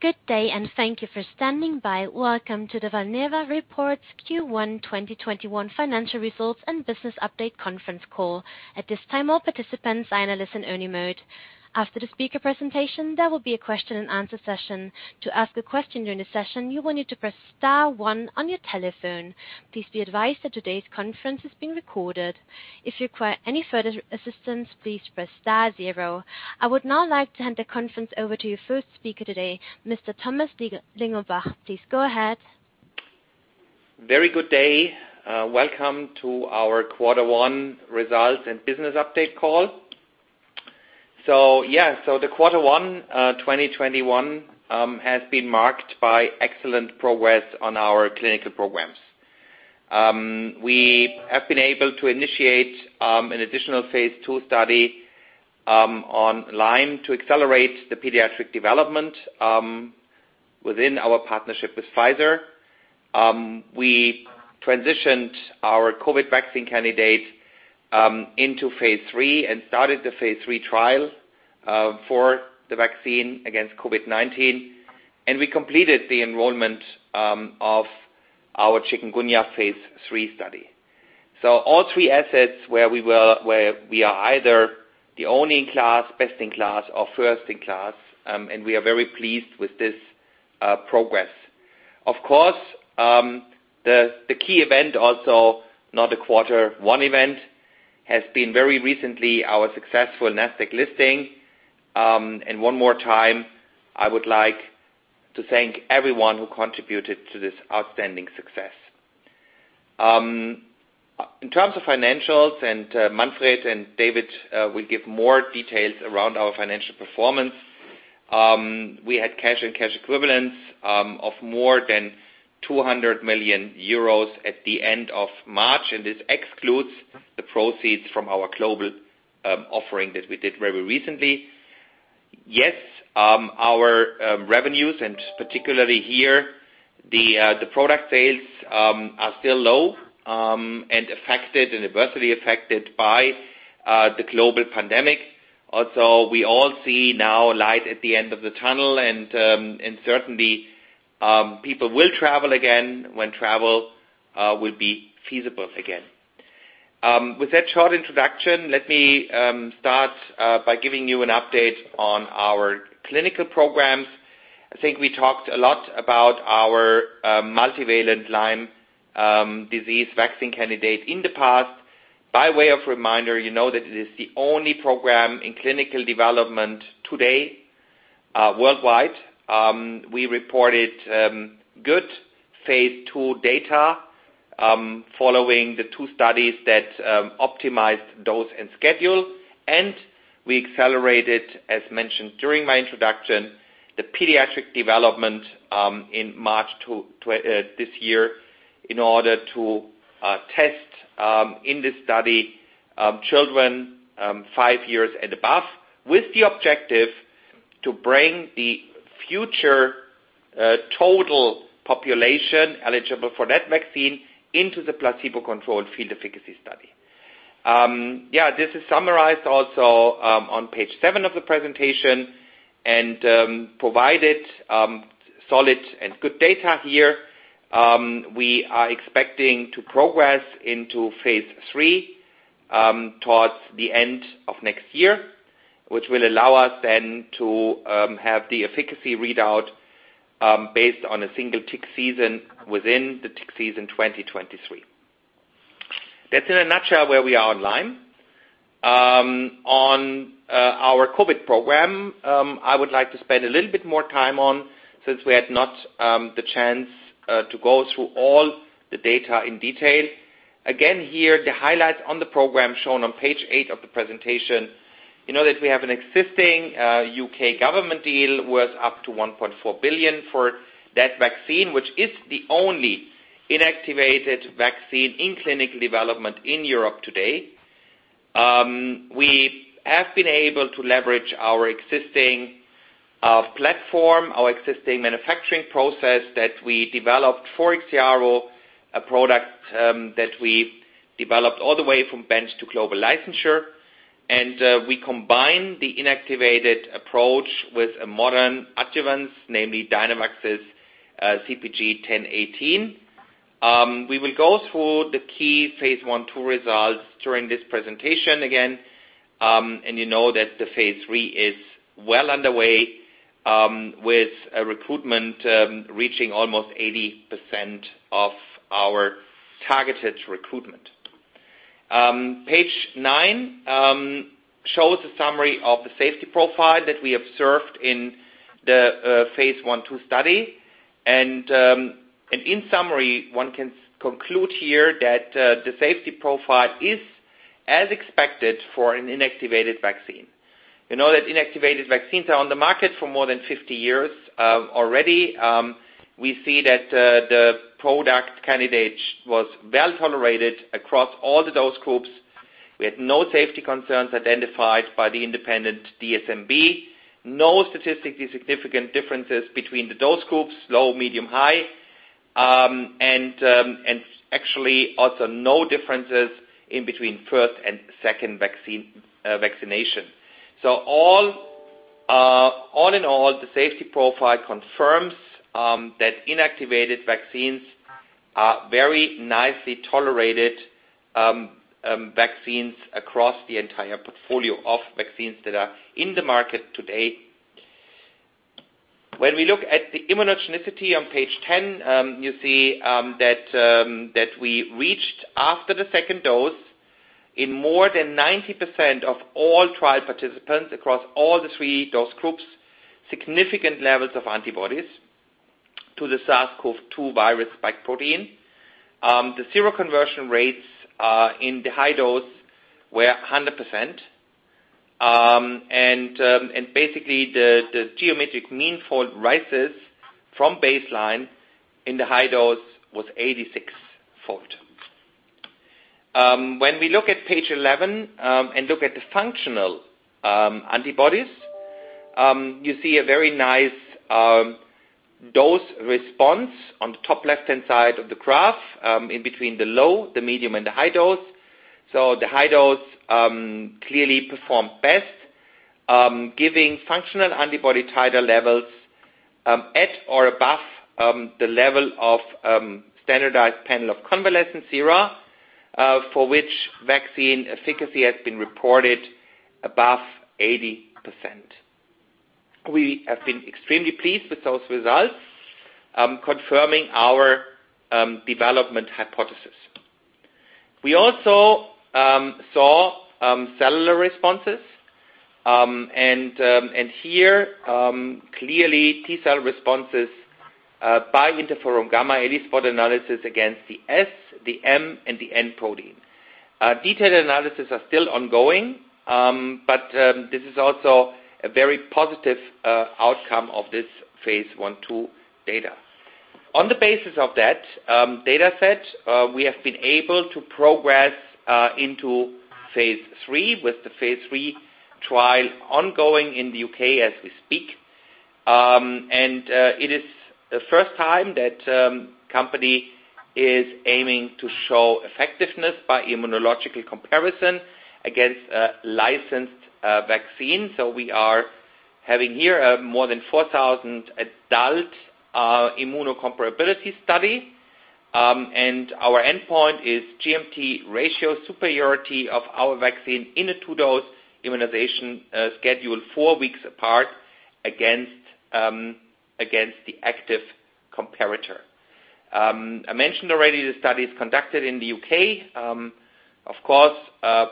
Good day and thank you for standing by. Welcome to the Valneva Reports Q1 2021 Financial Results and Business Update Conference Call. At this time, all participants are in a listen-only mode. After the speaker presentation, there will be a question and answer session. To ask a question during the session, you will need to press star one on your telephone. Please be advised that today's conference is being recorded. If you require any further assistance, please press star zero. I would now like to hand the conference over to your first speaker today, Mr. Thomas Lingelbach. Please go ahead. A very good day. Welcome to our Quarter 1 Results and Business Update call. The quarter one 2021 has been marked by excellent progress on our clinical programs. We have been able to initiate an additional phase II study online to accelerate the pediatric development within our partnership with Pfizer. We transitioned our COVID vaccine candidate into phase III and started the phase III trial for the vaccine against COVID-19, and we completed the enrollment of our Chikungunya phase III study. All three assets where we are either the only in class, best in class, or first in class, and we are very pleased with this progress. Of course, the key event also, not a quarter one event, has been very recently our successful NASDAQ listing. One more time, I would like to thank everyone who contributed to this outstanding success. In terms of financials, and month rates, and David will give more details around our financial performance, we had cash and cash equivalents of more than 200 million euros at the end of March, and this excludes the proceeds from our global offering that we did very recently. Yes, our revenues, and particularly here, the product sales, are still low and adversely affected by the global pandemic. Also, we all see now a light at the end of the tunnel and certainly, people will travel again when travel will be feasible again. With that short introduction, let me start by giving you an update on our clinical programs. I think we talked a lot about our multivalent Lyme disease vaccine candidate in the past. By way of reminder, you know that it is the only program in clinical development today worldwide. We reported good phase II data following the two studies that optimized dose and schedule, and we accelerated, as mentioned during my introduction, the pediatric development in March this year in order to test in this study, children five years and above, with the objective to bring the future total population eligible for that vaccine into the placebo-controlled field efficacy study. Yeah, this is summarized also on page seven of the presentation and provided solid and good data here. We are expecting to progress into phase III towards the end of next year, which will allow us then to have the efficacy readout based on a single tick season within the tick season 2023. That's in a nutshell where we are on Lyme. On our COVID program, I would like to spend a little bit more time on since we had not the chance to go through all the data in detail. Again, here, the highlight on the program shown on page eight of the presentation, you know that we have an existing U.K. government deal worth up to 1.4 billion for that vaccine, which is the only inactivated vaccine in clinical development in Europe today. We have been able to leverage our existing platform, our existing manufacturing process that we developed for IXIARO, a product that we developed all the way from bench to global licensure, and we combined the inactivated approach with a modern adjuvant, namely Dynavax CpG 1018. We will go through the key phase I, II results during this presentation again, and you know that the phase III is well underway with recruitment reaching almost 80% of our targeted recruitment. Page nine shows a summary of the safety profile that we observed in the phase I, II study. In summary, one can conclude here that the safety profile is as expected for an inactivated vaccine. You know that inactivated vaccines are on the market for more than 50 years already. We see that the product candidate was well-tolerated across all the dose groups with no safety concerns identified by the independent DSMB. No statistically significant differences between the dose groups, low, medium, high. And actually, also no differences in between first and second vaccination. All in all, the safety profile confirms that inactivated vaccines are very nicely tolerated, vaccines across the entire portfolio of vaccines that are in the market today. When we look at the immunogenicity on page 10, you see that we reached after the second dose in more than 90% of all trial participants across all the three dose groups, significant levels of antibodies to the SARS-CoV-2 virus spike protein. The seroconversion rates in the high dose were 100%. Basically, the geometric mean fold rises from baseline in the high dose was 86-fold. When we look at page 11, and look at the functional antibodies, you see a very nice dose response on the top left-hand side of the graph in between the low, the medium, and the high dose. The high dose clearly performed best, giving functional antibody titer levels at or above the level of standardized panel of convalescent sera, for which vaccine efficacy has been reported above 80%. We have been extremely pleased with those results, confirming our development hypothesis. We also saw cellular responses, and here, clearly T cell responses by interferon gamma ELISpot analysis against the S, the M, and the N protein. Detailed analysis are still ongoing, but this is also a very positive outcome of this phase I, II data. On the basis of that dataset, we have been able to progress into phase III with the phase III trial ongoing in the U.K. as we speak. It is the first time that company is aiming to show effectiveness by immunological comparison against a licensed vaccine. We are having here more than 4,000 adult immunocompatibility study. Our endpoint is GMT ratio superiority of our vaccine in a two-dose immunization scheduled four weeks apart against the active comparator. I mentioned already the study is conducted in the U.K. Of course,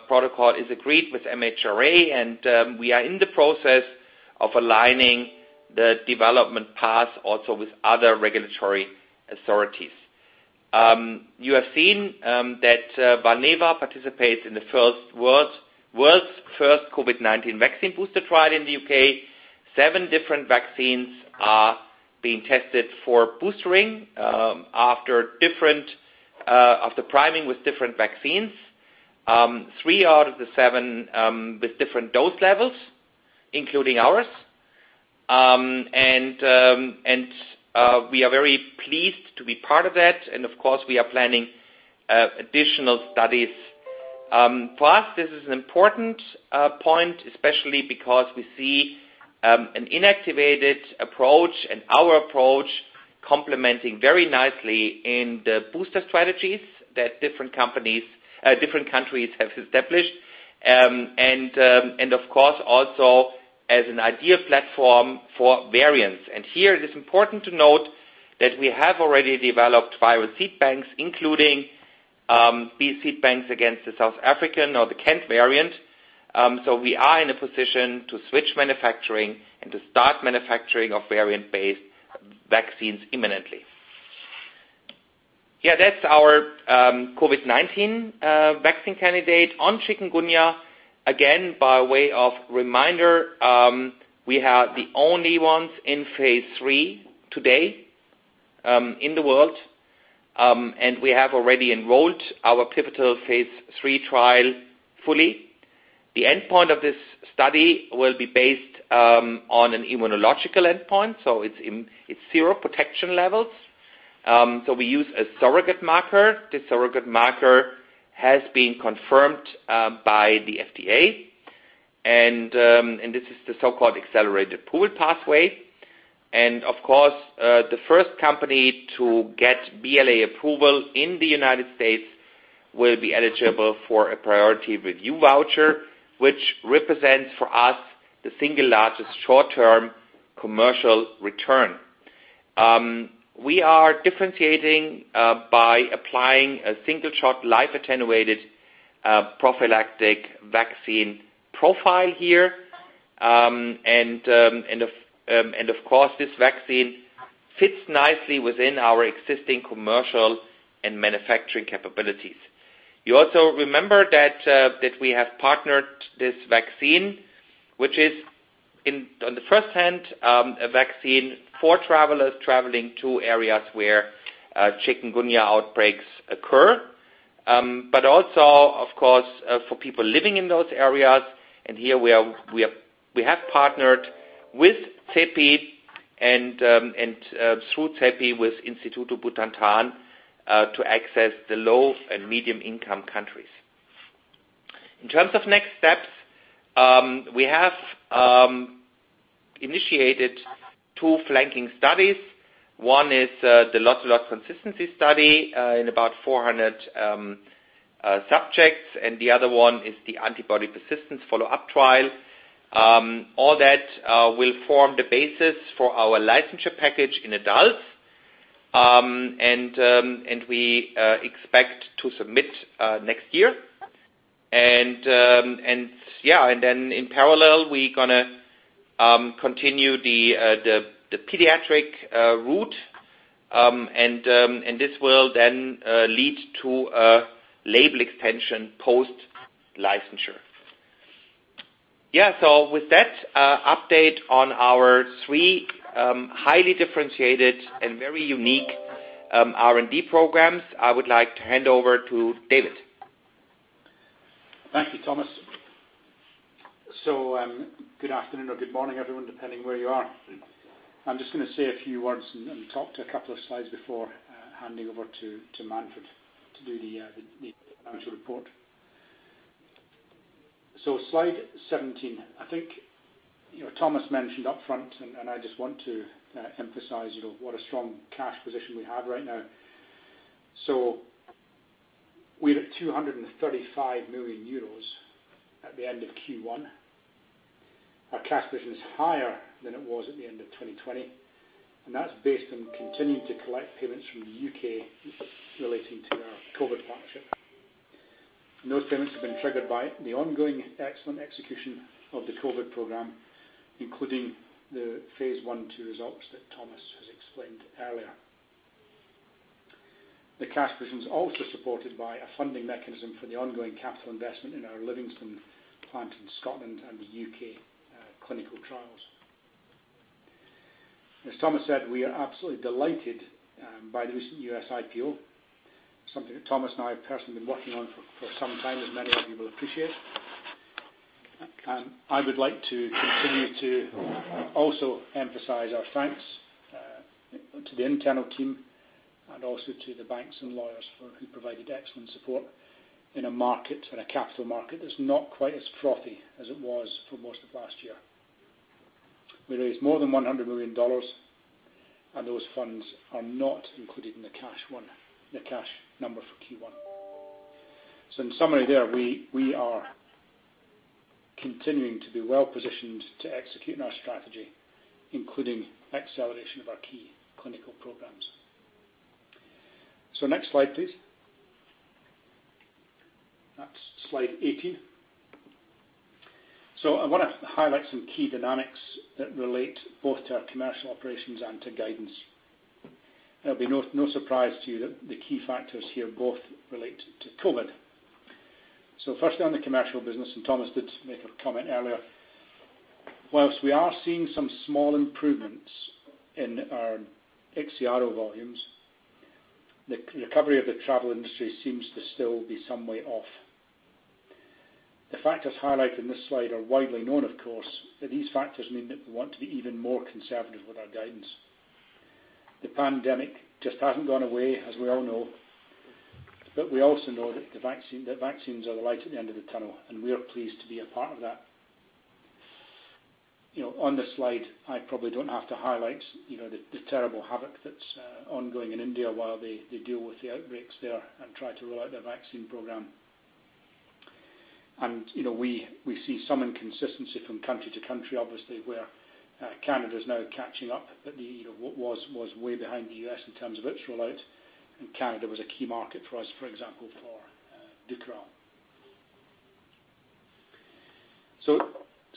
protocol is agreed with MHRA, and we are in the process of aligning the development path also with other regulatory authorities. You have seen that Valneva participates in the world's first COVID-19 vaccine booster trial in the U.K. Seven different vaccines are being tested for boostering after priming with different vaccines, three out of the seven with different dose levels, including ours, and we are very pleased to be part of that. Of course, we are planning additional studies. For us, this is an important point, especially because we see an inactivated approach and our approach complementing very nicely in the booster strategies that different countries have established. Of course, also as an ideal platform for variants. Here it is important to note that we have already developed viral seed banks, including these seed banks against the South African or the Kent variant. We are in a position to switch manufacturing and to start manufacturing of variant-based vaccines imminently. That's our COVID-19 vaccine candidate. On chikungunya, again, by way of reminder, we are the only ones in phase III today in the world. We have already enrolled our pivotal phase III trial fully. The endpoint of this study will be based on an immunological endpoint, so it's seroprotection levels. We use a surrogate marker. The surrogate marker has been confirmed by the FDA, and this is the so-called accelerated approval pathway. Of course, the first company to get BLA approval in the United States will be eligible for a priority review voucher, which represents for us the single largest short-term commercial return. We are differentiating by applying a single-shot live attenuated prophylactic vaccine profile here. Of course, this vaccine fits nicely within our existing commercial and manufacturing capabilities. You also remember that we have partnered this vaccine, which is on the first hand, a vaccine for travelers traveling to areas where chikungunya outbreaks occur, but also, of course, for people living in those areas, and here we have partnered with CEPI and through CEPI with Instituto Butantan, to access the low- and medium-income countries. In terms of next steps, we have initiated two flanking studies. One is the lot-to-lot consistency study in about 400 subjects and the other one is the antibody persistence follow-up trial. All that will form the basis for our licensure package in adults, and we expect to submit next year. In parallel, we're going to continue the pediatric route, and this will then lead to a label extension post-licensure. Yeah, so with that update on our three highly differentiated and very unique R&D programs, I would like to hand over to David. Thank you, Thomas. Good afternoon or good morning, everyone, depending where you are. I'm just going to say a few words and talk to a couple of slides before handing over to Manfred to do the financial report. Slide 17, I think Thomas mentioned upfront, and I just want to emphasize what a strong cash position we have right now. We had 235 million euros at the end of Q1. Our cash position is higher than it was at the end of 2020, and that's based on continuing to collect payments from the U.K. relating to our COVID partnership, and those payments have been triggered by the ongoing excellent execution of the COVID program, including the phase I, II results that Thomas has explained earlier. The cash position is also supported by a funding mechanism for the ongoing capital investment in our Livingston plant in Scotland and the U.K. clinical trials. As Thomas said, we are absolutely delighted by the recent U.S. IPO, something that Thomas and I have personally been working on for some time, as many of you will appreciate. I would like to continue to also emphasize our thanks to the internal team and also to the banks and lawyers who provided excellent support in a capital market that's not quite as frothy as it was for most of last year. We raised more than $100 million, those funds are not included in the cash number for Q1. In summary there, we are continuing to be well-positioned to execute on our strategy, including acceleration of our key clinical programs. Next slide, please, and that's slide 18. I want to highlight some key dynamics that relate both to our commercial operations and to guidance. It'll be no surprise to you that the key factors here both relate to COVID. Firstly, on the commercial business, and Thomas did make a comment earlier. Whilst we are seeing some small improvements in our Ixiaro volumes, the recovery of the travel industry seems to still be some way off. The factors highlighted in this slide are widely known, of course, but these factors mean that we want to be even more conservative with our guidance. The pandemic just hasn't gone away, as we all know. We also know that vaccines are the light at the end of the tunnel and we are pleased to be a part of that. On this slide, I probably don't have to highlight the terrible havoc that is ongoing in India while they deal with the outbreaks there and try to roll out their vaccine program. We see some inconsistency from country to country, obviously, where Canada is now catching up, but was way behind the U.S. in terms of its rollout, and Canada was a key market for us, for example, for Dukoral.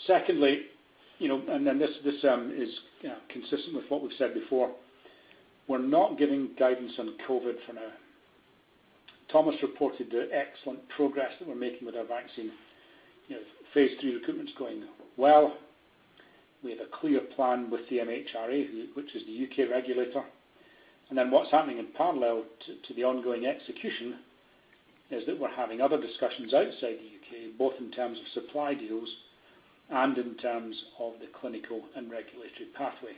Secondly, and this is consistent with what we've said before, we're not giving guidance on COVID for now. Thomas reported the excellent progress that we're making with our vaccine, you know, phase III recruitment's going well. We have a clear plan with the MHRA, which is the U.K. regulator. What's happening in parallel to the ongoing execution is that we're having other discussions outside the U.K., both in terms of supply deals and in terms of the clinical and regulatory pathway.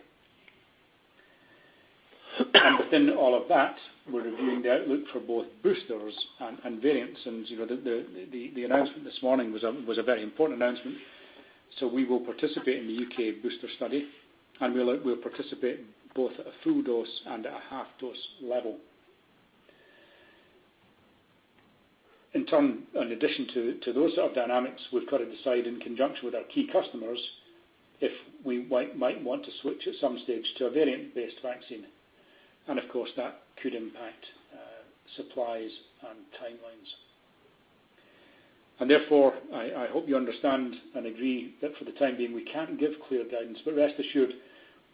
Within all of that, we're reviewing the outlook for both boosters and variants. The announcement this morning was a very important announcement. We will participate in the U.K. booster study, and we'll participate both at a full dose and at a half-dose level. In addition to those sort of dynamics, we've got to decide in conjunction with our key customers if we might want to switch at some stage to a variant-based vaccine. Of course, that could impact supplies and timelines. Therefore, I hope you understand and agree that for the time being, we can't give clear guidance. Rest assured,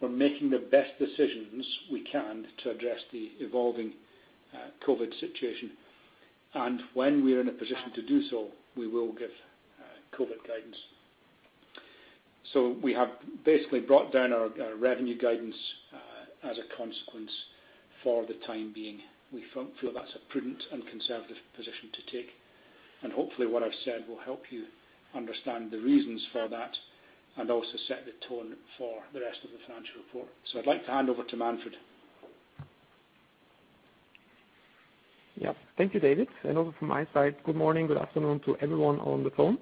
we're making the best decisions we can to address the evolving COVID situation. When we are in a position to do so, we will give COVID guidance. We have basically brought down our revenue guidance as a consequence for the time being. We feel that's a prudent and conservative position to take, and hopefully what I've said will help you understand the reasons for that, and also set the tone for the rest of the financial report. I'd like to hand over to Manfred. Yeah. Thank you, David, and over from my side, good morning, good afternoon to everyone on the phone.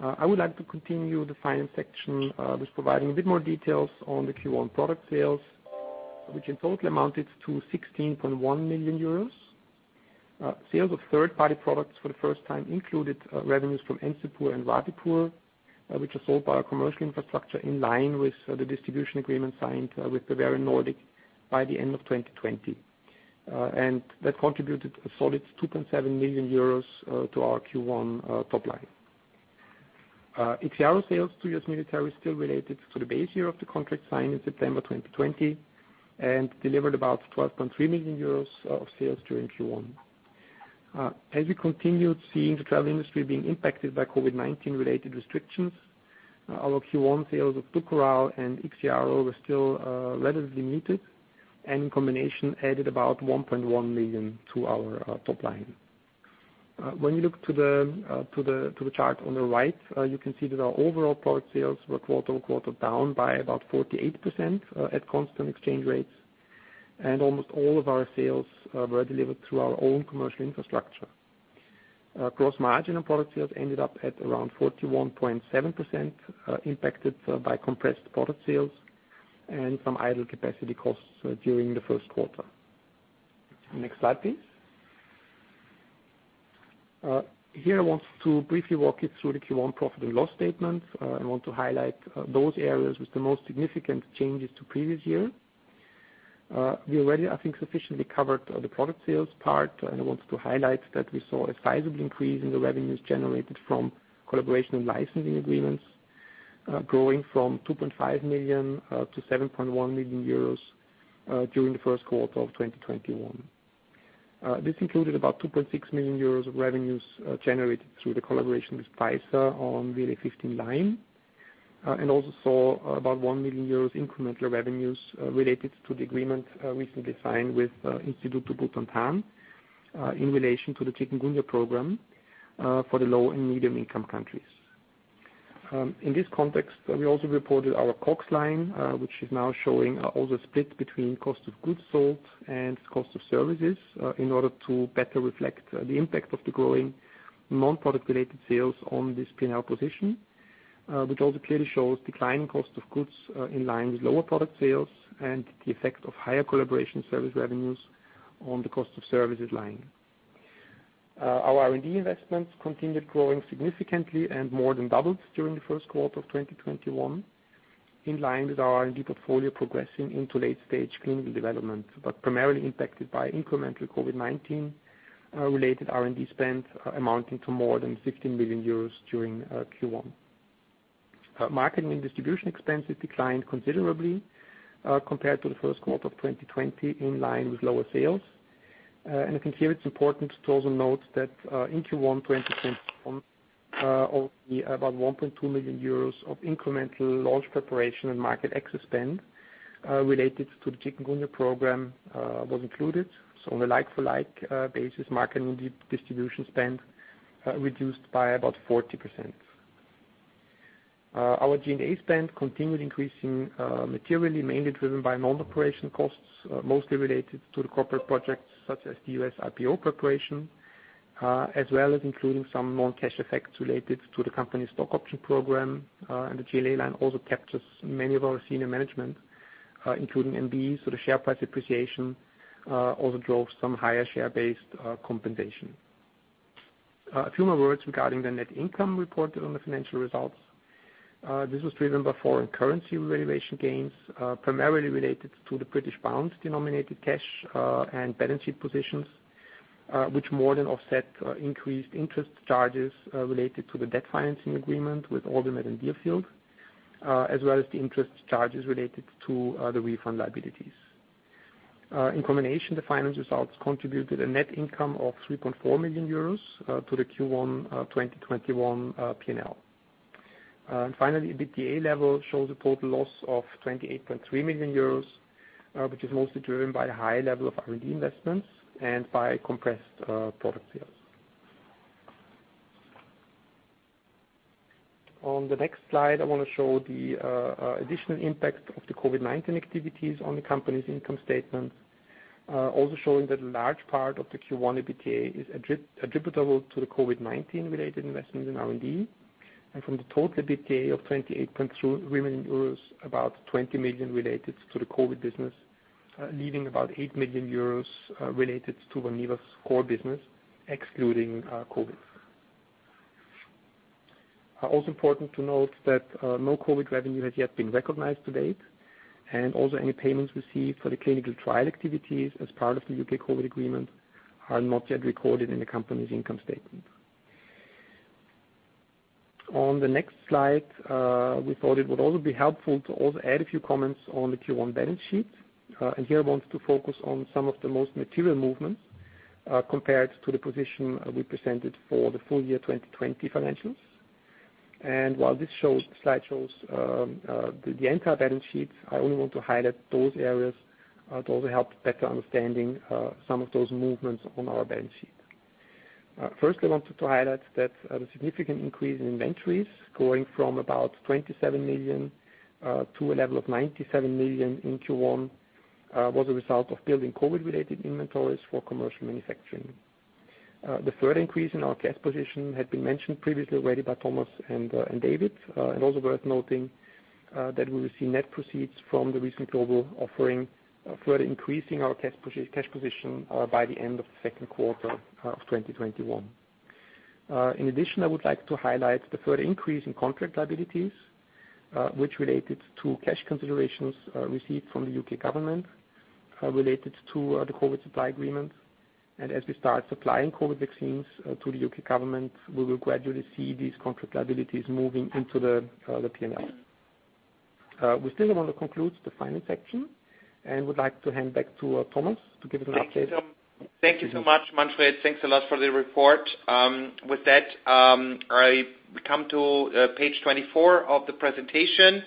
I would like to continue the finance section with providing a bit more details on the Q1 product sales, which in total amounted to 16.1 million euros. Sales of third-party products for the first time included revenues from Encepur and Rabipur, which are sold by our commercial infrastructure in line with the distribution agreement signed with Bavarian Nordic by the end of 2020. That contributed a solid 2.7 million euros to our Q1 top line. Ixiaro sales to U.S. military were still related to the base year of the contract signed in December 2020 and delivered about 12.3 million euros of sales during Q1. As we continued seeing the travel industry being impacted by COVID-19 related restrictions, our Q1 sales of Dukoral and Ixiaro were still relatively muted and combination added about 1.1 million to our top line. When you look to the chart on the right, you can see that our overall product sales were quarter-over-quarter down by about 48% at constant exchange rates, and almost all of our sales were delivered through our own commercial infrastructure. Gross margin on product sales ended up at around 41.7%, impacted by compressed product sales and some idle capacity costs during the first quarter, and next slide, please. Here I want to briefly walk you through the Q1 profit and loss statement. I want to highlight those areas with the most significant changes to previous year. We already, I think, sufficiently covered the product sales part, and I want to highlight that we saw a sizable increase in the revenues generated from collaboration and licensing agreements, growing from 2.5 million to 7.1 million euros during the first quarter of 2021. This included about 2.6 million euros of revenues generated through the collaboration with Pfizer on VLA15, and also saw about 1 million euros incremental revenues related to the agreement recently signed with Instituto Butantan in relation to the Chikungunya program for the low and medium income countries. In this context, we also reported our COGS line, which is now showing all the split between cost of goods sold and cost of services in order to better reflect the impact of the growing non-product related sales on this P&L position, which also clearly shows declining cost of goods in line with lower product sales and the effect of higher collaboration service revenues on the cost of services line. Our R&D investments continued growing significantly and more than doubled during the first quarter of 2021, in line with our R&D portfolio progressing into late-stage clinical development, but primarily impacted by incremental COVID-19 related R&D spend amounting to more than 15 million euros during Q1. Marketing and distribution expenses declined considerably compared to the first quarter of 2020, in line with lower sales. I consider it's important to also note that in Q1 2021, only about 1.2 million euros of incremental launch preparation and market access spend related to the Chikungunya program was included. On a like-for-like basis, market and distribution spend reduced by about 40%. Our G&A spend continued increasing materially, mainly driven by non-operation costs, mostly related to the corporate projects such as the U.S. IPO preparation, as well as including some non-cash effects related to the company stock option program. The G&A line also captures many of our senior management, including MBES, so the share price appreciation also drove some higher share-based compensation. A few more words regarding the net income reported on the financial results, this was driven by foreign currency valuation gains, primarily related to the British pound-denominated cash and treasury positions, which more than offset increased interest charges related to the debt financing agreement with OrbiMed and Deerfield, as well as the interest charges related to the refund liabilities. In combination, the financial results contributed a net income of 3.4 million euros to the Q1 2021 P&L. Finally, EBITDA level shows a total loss of 28.3 million euros, which is mostly driven by high level of R&D investments and by compressed product sales. On the next slide, I want to show the additional impact of the COVID-19 activities on the company's income statement, also showing that a large part of the Q1 EBITDA is attributable to the COVID-19 related investments in R&D and from the total EBITDA of 28.3 million euros, about 20 million euros related to the COVID-19 business, leaving about 8 million euros related to Valneva's core business excluding COVID. Also important to note that no COVID revenue has yet been recognized to date, and also any payments received for the clinical trial activities as part of the U.K. COVID agreement are not yet recorded in the company's income statement. On the next slide, we thought it would also be helpful to also add a few comments on the Q1 balance sheet, and here I want to focus on some of the most material movements compared to the position we presented for the full-year 2020 financials. While this slide shows the Valneva balance sheets, I only want to highlight those areas that will help better understanding some of those movements on our balance sheet. First, I want to highlight that the significant increase in inventories going from about 27 million to a level of 97 million in Q1, was a result of building COVID-related inventories for commercial manufacturing. The third increase in our cash position had been mentioned previously already by Thomas and David. Also worth noting that we will see net proceeds from the recent global offering further increasing our cash position by the end of the second quarter of 2021. In addition, I would like to highlight the third increase in contract liabilities, which related to cash considerations received from the U.K. government related to the COVID supply agreement. As we start supplying COVID vaccines to the U.K. government, we will gradually see these contract liabilities moving into the P&L. We still want to conclude the finance section and would like to hand it back to Thomas to give an update. Thank you so much, Manfred. Thanks a lot for the report. With that, I come to page 24 of the presentation,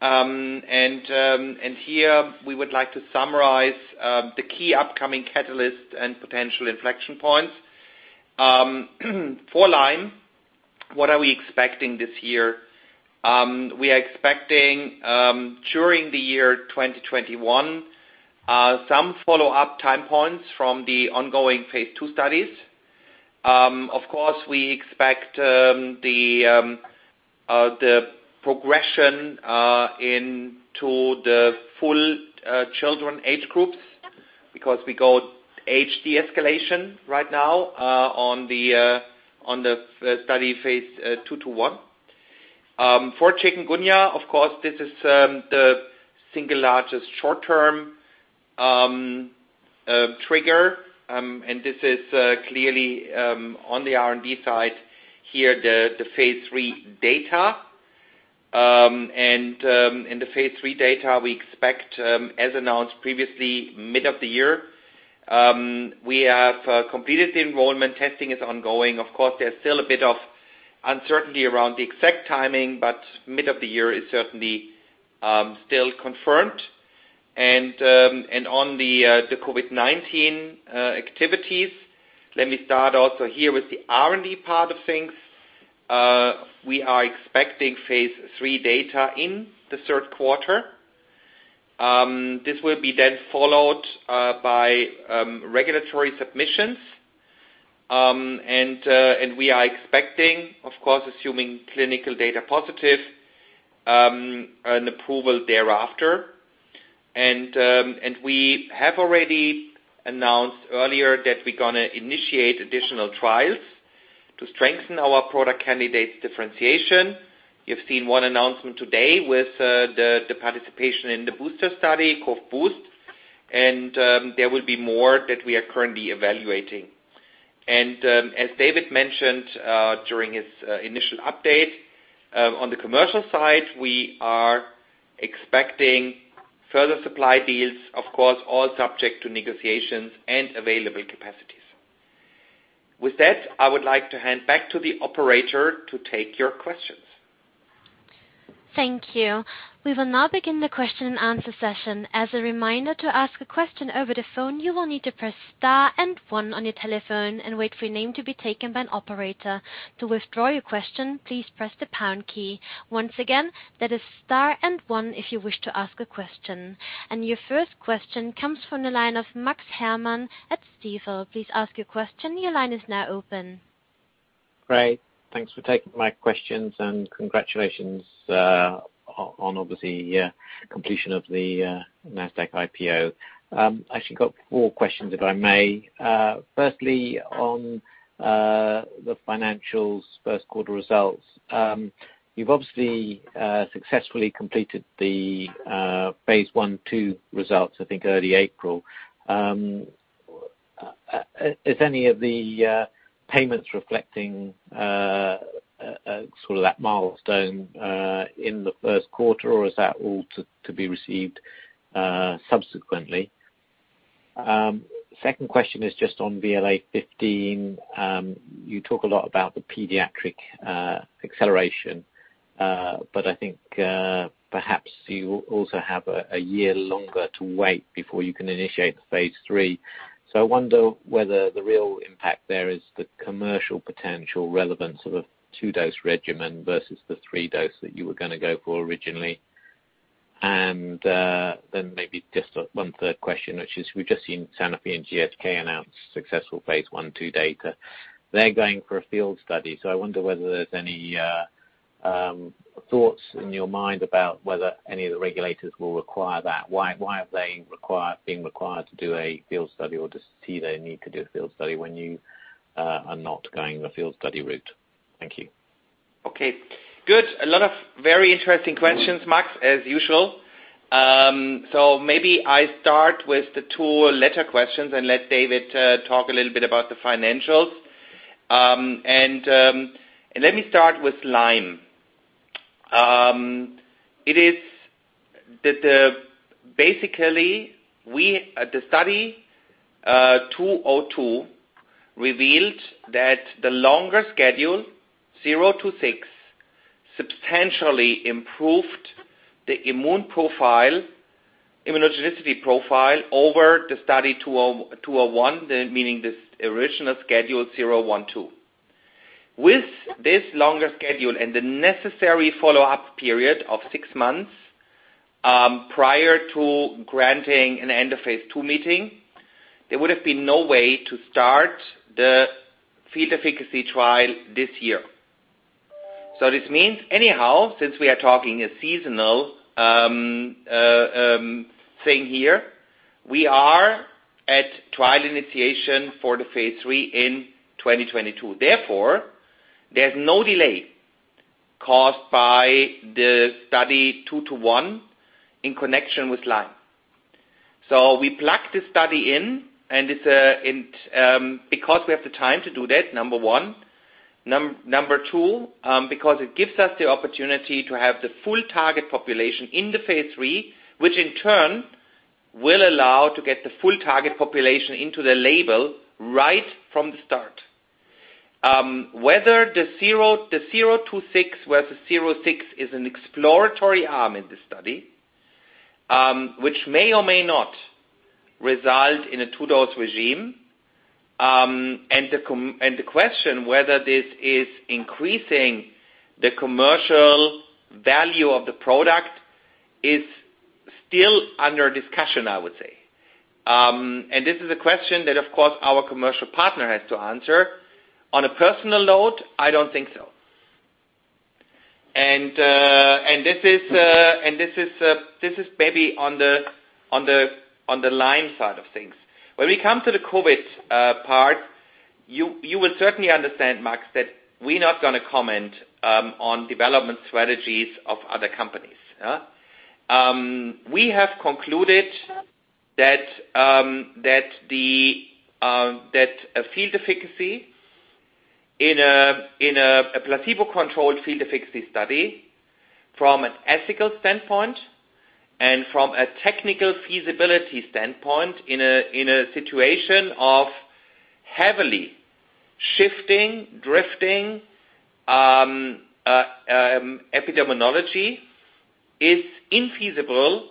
and here, we would like to summarize the key upcoming catalyst and potential inflection points. For Lyme, what are we expecting this year? We are expecting, during the year 2021, some follow-up time points from the ongoing phase II studies. Of course, we expect the progression into the full children age groups because we got age de-escalation right now on the study VLA15-221. For Chikungunya, of course, this is the single largest short-term trigger. This is clearly on the R&D side here, the phase III data. In the phase III data, we expect, as announced previously, mid of the year. We have completed the enrollment. Testing is ongoing. Of course, there's still a bit of uncertainty around the exact timing, but mid of the year is certainly still confirmed. On the COVID-19 activities, let me start also here with the R&D part of things. We are expecting phase III data in the third quarter. This will be then followed by regulatory submissions. We are expecting, of course, assuming clinical data positive, an approval thereafter. We have already announced earlier that we're going to initiate additional trials to strengthen our product candidates differentiation. You've seen one announcement today with the participation in the booster study, Cov-Boost, and there will be more that we are currently evaluating. As David mentioned during his initial update, on the commercial side, we are expecting further supply deals, of course, all subject to negotiations and available capacities. With that, I would like to hand back to the operator to take your questions. Thank you. We will now begin the question and answer session. As a reminder, to ask a question over the phone, you will need to press star and one on your telephone and wait for your name to be taken by an operator. To withdraw your question, please press the pound key. Once again, that is star and one if you wish to ask a question, and your first question comes from the line of Max Herrmann at Stifel. Please ask your question. Your line is now open. Great. Thanks for taking my questions and congratulations on obviously completion of the NASDAQ IPO. Actually, I got four questions, if I may. Firstly, on the financials first quarter results. You've obviously successfully completed the phase I, II results, I think early April. Is any of the payments reflecting sort of that milestone in the first quarter or is that all to be received subsequently? Second question is just on VLA15. You talk a lot about the pediatric acceleration, I think perhaps you also have a year longer to wait before you can initiate the phase III. I wonder whether the real impact there is the commercial potential relevance of a two-dose regimen versus the three dose that you were going to go for originally, and maybe just 1/3 question, which is, we've just seen Sanofi and GSK announce successful phase I, II data. They're going for a field study. I wonder whether there's any thoughts in your mind about whether any of the regulators will require that. Why have they been required to do a field study or just see they need to do a field study when you are not going the field study route? Thank you. Okay, good, a lot of very interesting questions, Max, as usual. Maybe I start with the two latter questions and let David talk a little bit about the financials. Let me start with Lyme. Basically, the study, 202, revealed that the longer schedule, 026, substantially improved the immunogenicity profile over the study 201, meaning this original schedule, 012. With this longer schedule and the necessary follow-up period of six months prior to granting an end of phase II meeting, there would have been no way to start the field efficacy trial this year. This means, anyhow, since we are talking a seasonal thing here, we are at trial initiation for the phase III in 2022. Therefore, there's no delay caused by the study VLA15-201 in connection with Lyme. We plug this study in, and because we have the time to do that, number one. Number two, because it gives us the opportunity to have the full target population in the phase III, which in turn will allow to get the full target population into the label right from the start. Whether the 026 where the 06 is an exploratory arm in the study, which may or may not result in a two-dose regime. The question whether this is increasing the commercial value of the product is still under discussion, I would say. This is a question that, of course, our commercial partner has to answer. On a personal note, I don't think so, and this is maybe on the Lyme side of things. When we come to the COVID part, you will certainly understand, Max, that we're not going to comment on development strategies of other companies. We have concluded that a field efficacy in a placebo-controlled field efficacy study, from an ethical standpoint, and from a technical feasibility standpoint, in a situation of heavily shifting, drifting epidemiology, is infeasible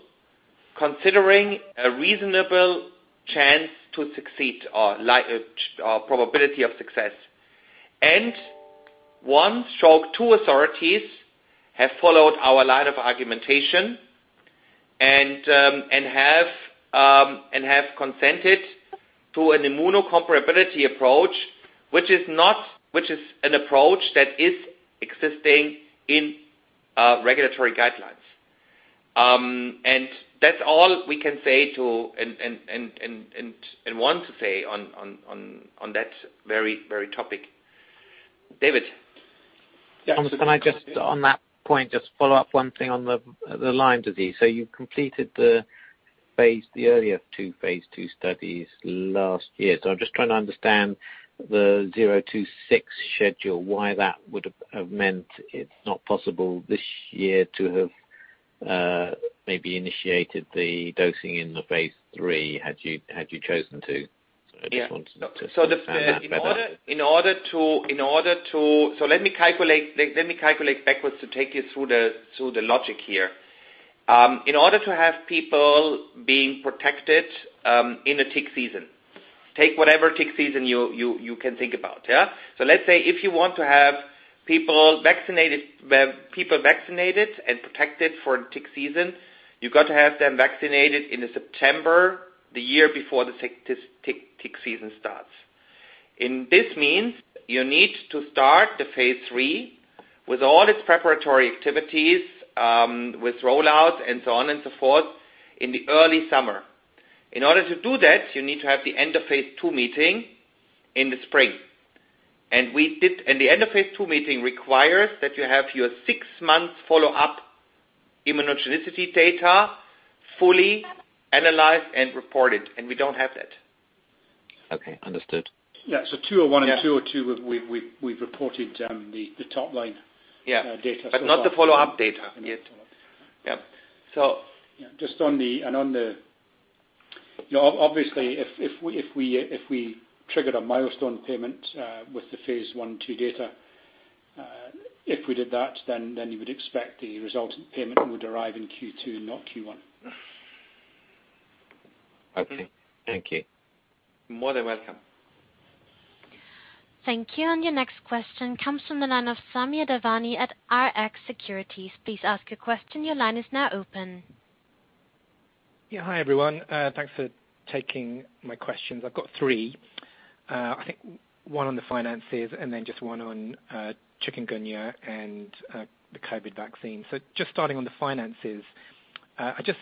considering a reasonable chance to succeed or probability of success. One stroke, two authorities have followed our line of argumentation and have consented to an immunocomparability approach, which is an approach that is existing in regulatory guidelines. That's all we can say and want to say on that very topic. David. Thomas, can I just, on that point, just follow up one thing on the Lyme disease? You completed the earlier two phase II studies last year. I'm just trying to understand the 026 schedule, why that would have meant it's not possible this year to have maybe initiated the dosing in the phase III, had you chosen to. I just want to understand that better. Let me calculate backwards to take you through the logic here. In order to have people being protected in a tick season, take whatever tick season you can think about. Let's say if you want to have people vaccinated and protected for tick season, you've got to have them vaccinated in the September, the year before the tick season starts. This means you need to start the phase III with all its preparatory activities, with rollout, and so on and so forth, in the early summer. In order to do that, you need to have the end of phase II meeting in the spring. The end of phase II meeting requires that you have your six months follow-up immunogenicity data fully analyzed, and reported, and we don't have that. Okay, understood. Yeah. 201 and 202, we've reported the top line data. Yeah, not the follow-up data yet. Yeah, follow-up data. Yeah. Obviously, if we triggered a milestone payment with the phase I, II data, if we did that, then you would expect the resultant payment would arrive in Q2, not Q1. Okay. Thank you. More than welcome. Thank you. Your next question comes from the line of Samir Devani at Rx Securities. Please ask your question. Your line is now open. Hi, everyone. Thanks for taking my questions. I've got three. I think one on the finances and then just one on chikungunya and the COVID vaccine. Just starting on the finances, I just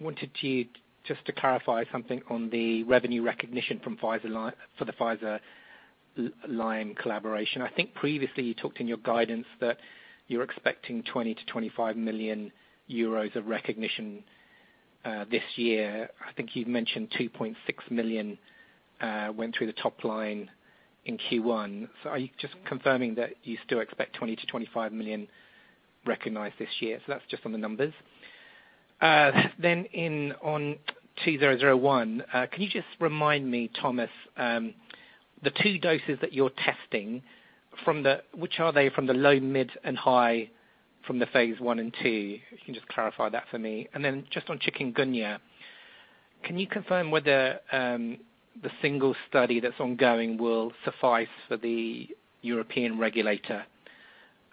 wanted you just to clarify something on the revenue recognition for the Pfizer Lyme collaboration. I think previously you talked in your guidance that you're expecting 20 million to 25 million euros of recognition this year, I think you mentioned 2.6 million went through the top line in Q1. Are you just confirming that you still expect 20 million to 25 million recognized this year? That's just on the numbers on VLA2001. Can you just remind me, Thomas, the two doses that you're testing, which are they from the low, mid, and high from the phase I and II? Can you just clarify that for me? On chikungunya, can you confirm whether the single study that's ongoing will suffice for the European regulator?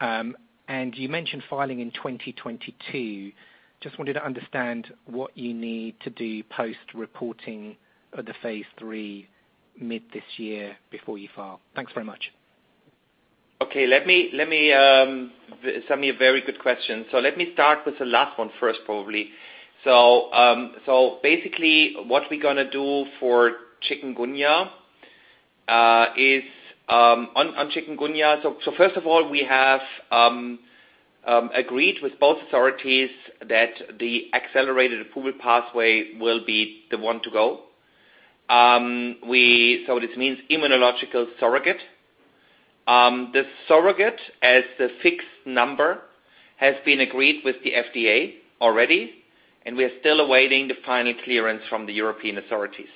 You mentioned filing in 2022. I just wanted to understand what you need to do post-reporting of the phase III mid this year before you file. Thanks very much. Okay, some very good questions, so let me start with the last one first, probably. Basically, what we're going to do for chikungunya is, on chikungunya, first of all, we have agreed with both authorities that the accelerated approval pathway will be the one to go. This means immunological surrogate. The surrogate as the fixed number has been agreed with the FDA already, and we're still awaiting the final clearance from the European authorities.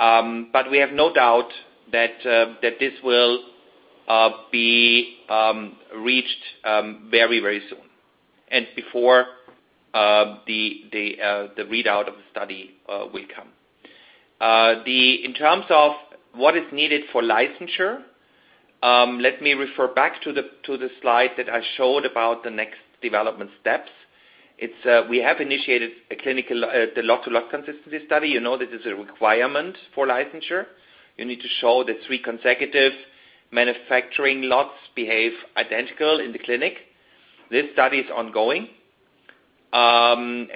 We have no doubt that this will be reached very soon, and before the readout of the study will come. In terms of what is needed for licensure, let me refer back to the slide that I showed about the next development steps. We have initiated the lot-to-lot consistency study. You know, this is a requirement for licensure. You need to show that three consecutive manufacturing lots behave identical in the clinic. This study is ongoing and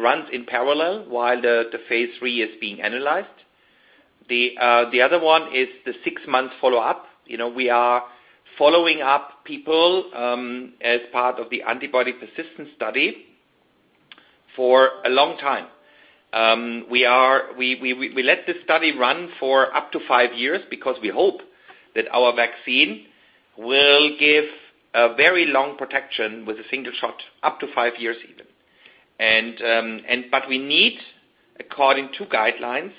runs in parallel while the phase III is being analyzed. The other one is the six-month follow-up. We are following up people as part of the antibody persistence study for a long time. We let the study run for up to five years because we hope that our vaccine will give a very long protection with a single shot, up to five years even. We need, according to guidelines,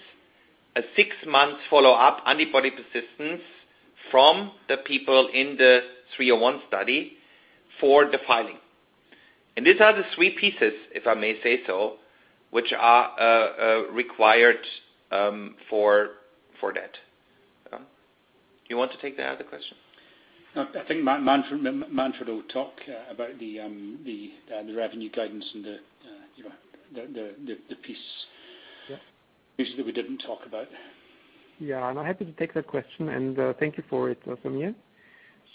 a six-month follow-up antibody persistence from the people in the VLA1553-301 study for the filing. These are the three pieces, if I may say so, which are required for that. Do you want to take the other question? I think Manfred will talk about the revenue guidance and you know, the piece that we didn't talk about. Yeah. I'm happy to take that question, and thank you for it, Samir.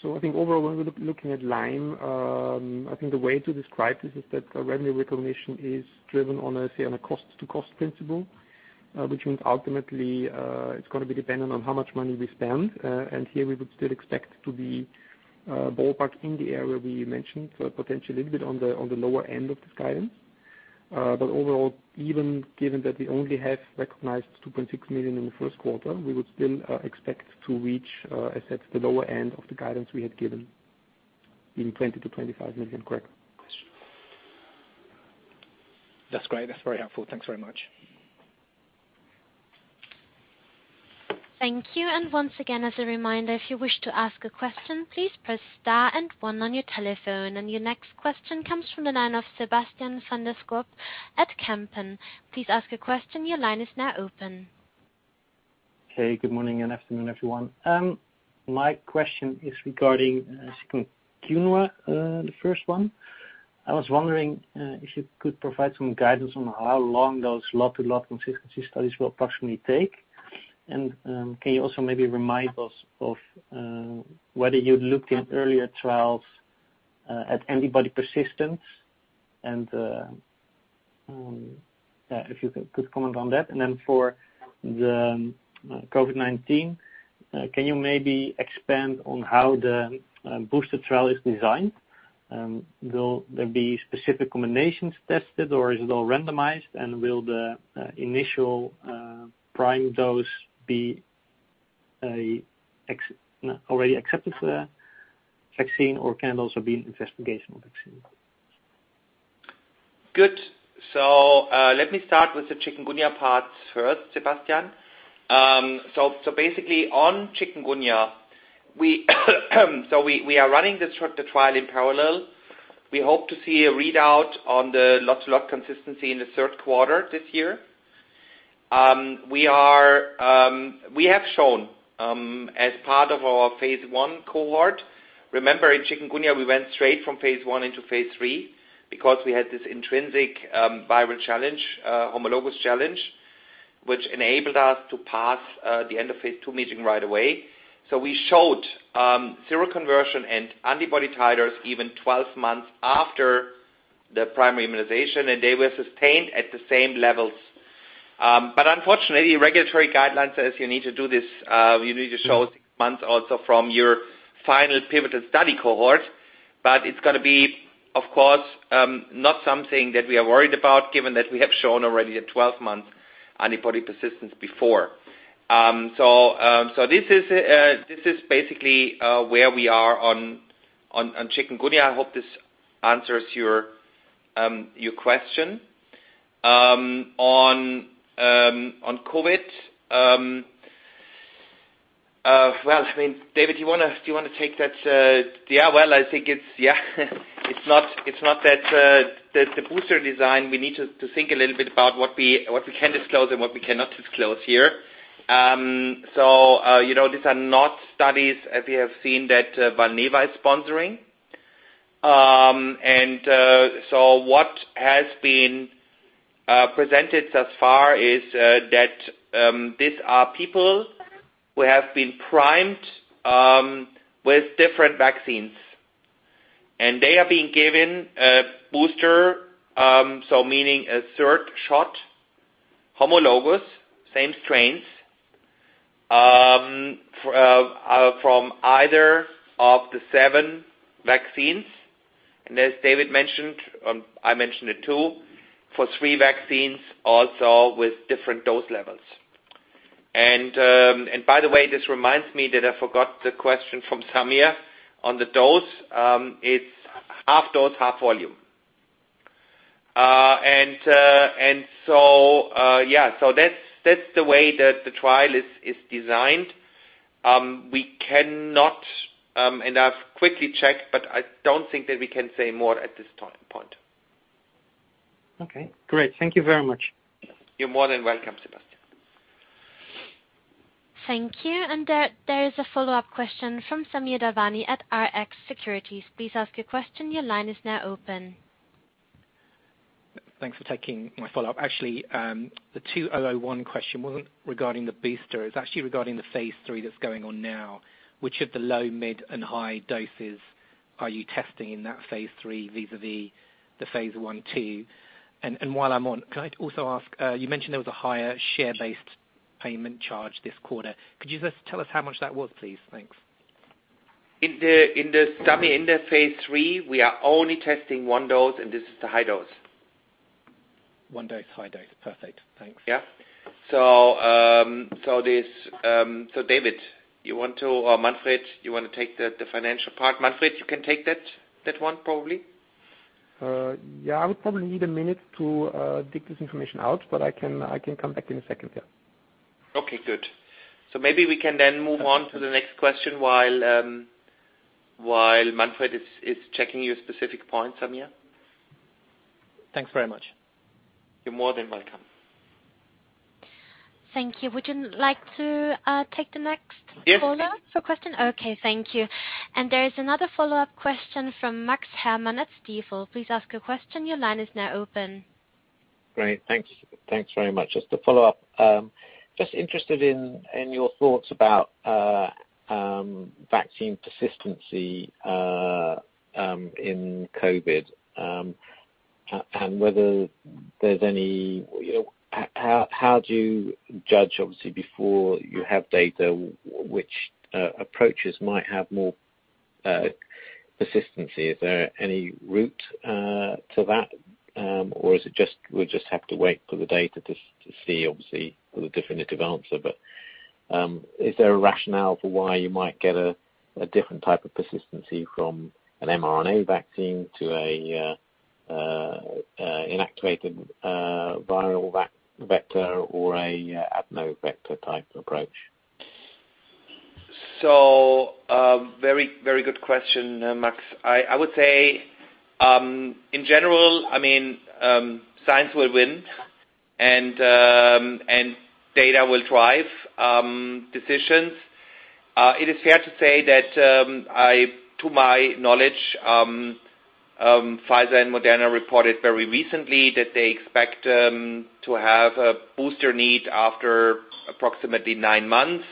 I think overall, when we're looking at Lyme, I think the way to describe this is that the revenue recognition is driven on a cost-to-cost principle, which means ultimately it's going to be dependent on how much money we spend. Here we would still expect to be ballparked in the area we mentioned. Potentially a little bit on the lower end of the guidance. Overall, even given that we only have recognized 2.6 million in the first quarter, we would still expect to reach, as said, the lower end of the guidance we had given, being 20 million to 25 million, correct. That's great, that's very helpful, thanks very much. Thank you. Once again, as a reminder, if you wish to ask a question, please press star and one on your telephone. Your next question comes from the line of Sebastiaan van der Schoot at Kempen. Please ask a question. Your line is now open. Hey, good morning, and afternoon, everyone. My question is regarding chikungunya, the first one. I was wondering if you could provide some guidance on how long those lot-to-lot consistency studies will approximately take. Can you also maybe remind us of whether you looked at earlier trials at antibody persistence and if you could comment on that? Then for the COVID-19, can you maybe expand on how the booster trial is designed? Will there be specific combinations tested, or is it all randomized? Will the initial prime dose be already accepted vaccine or can also be investigational vaccine? Good, now let me start with the chikungunya part first, Sebastiaan. Basically on chikungunya, we are running the trial in parallel. We hope to see a readout on the lot-to-lot consistency in the third quarter this year. We have shown as part of our phase I cohort, remember in chikungunya, we went straight from phase I into phase III because we had this intrinsic viral challenge, homologous challenge, which enabled us to pass the end of phase II meeting right away. We showed seroconversion and antibody titers even 12 months after the primary immunization, and they were sustained at the same levels. Unfortunately, regulatory guidelines says you need to show six months also from your final pivotal study cohort. It's going to be, of course, not something that we are worried about, given that we have shown already a 12-month antibody persistence before. This is basically where we are on chikungunya. I hope this answers your question. On COVID, well, I think, David, do you want to take that? Well, I think it's not that the booster design, we need to think a little bit about what we can disclose and what we cannot disclose here. These are not studies as we have seen that Valneva is sponsoring. What has been presented thus far is that these are people who have been primed with different vaccines, and they have been given a booster, so meaning a third shot, homologous, same strains, from either of the seven vaccines. As David mentioned, I mentioned it too, for three vaccines also with different dose levels. By the way, this reminds me that I forgot the question from Samir on the dose, it's half dose, half volume. Yeah, that's the way that the trial is designed. We cannot, and I've quickly checked, but I don't think that we can say more at this point. Okay, great, thank you very much. You're more than welcome, Sebastiaan. Thank you. There's a follow-up question from Samir Devani at Rx Securities. Please ask your question. Thanks for taking my follow-up. Actually, the 201 question wasn't regarding the booster. It's actually regarding the phase III that's going on now, which of the low, mid, and high doses are you testing in that phase III vis-a-vis the phase I, II? While I'm on, can I also ask, you mentioned there was a higher share-based payment charge this quarter. Could you just tell us how much that was, please? Thanks. In the study, in the phase III, we are only testing one dose, and this is the high dose. One dose, high dose, perfect. Thanks. Yeah. David, you want to, or Manfred, you want to take the financial part? Manfred, you can take that one, probably. Yeah. I would probably need a minute to dig this information out. I can come back in a second here. Okay, good. Maybe we can then move on to the next question while Manfred is checking your specific point, Samir. Thanks very much. You're more than welcome. Thank you. Would you like to take the next caller? Yes, please. Follow-up question? Okay, thank you. There's another follow-up question from Max Herrmann at Stifel. Please ask your question. Great, thanks, thanks very much. Just to follow up, just interested in your thoughts about vaccine persistency in COVID, how do you judge, obviously, before you have data, which approaches might have more persistency? Is there any route to that or we'll just have to wait for the data just to see, obviously, for the definitive answer? Is there a rationale for why you might get a different type of persistency from an mRNA vaccine to an inactivated viral vector or an adeno vector type approach? Very good question, Max. I would say, in general, science will win, and data will drive decisions. It is fair to say that, to my knowledge, Pfizer and Moderna reported very recently that they expect to have a booster need after approximately nine months.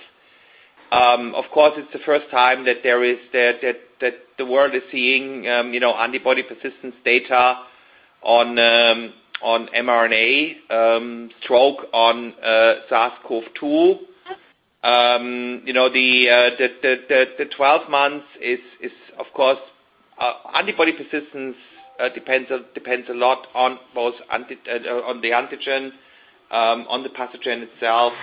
It's the first time that the world is seeing antibody persistence data on mRNA/SARS-CoV-2. The 12 months is, of course, antibody persistence depends a lot on both on the antigen, on the pathogen itself.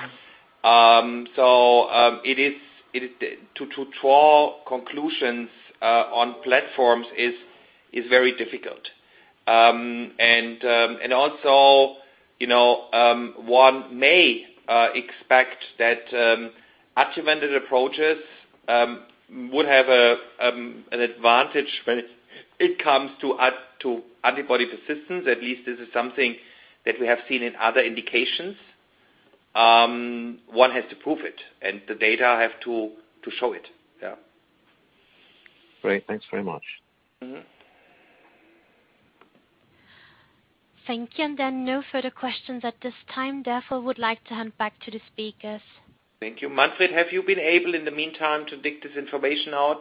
To draw conclusions on platforms is very difficult. Also, one may expect that adjuvanted approaches would have an advantage when it comes to antibody persistence. At least this is something that we have seen in other indications. One has to prove it and the data have to show it. Yeah. Great, thanks very much. Thank you. No further questions at this time. I would like to hand back to the speakers. Thank you. Manfred, have you been able, in the meantime, to dig this information out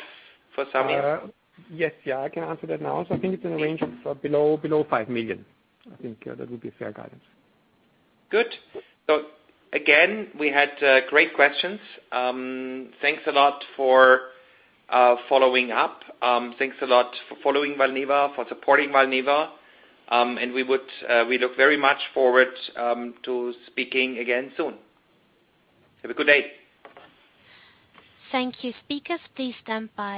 for Samir? Yes. I can answer that now. I think it's in the range of below 5 million. I think that would be fair guidance. Good, again, we had great questions. Thanks a lot for following up. Thanks a lot for following Valneva, for supporting Valneva. We look very much forward to speaking again soon. Have a good day. Thank you. Speakers, please stand by.